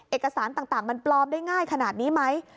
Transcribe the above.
เอกสารต่างมันปลอมได้ง่ายขนาดนี้ไหม